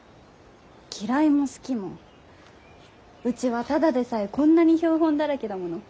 嫌いも好きもうちはただでさえこんなに標本だらけだもの。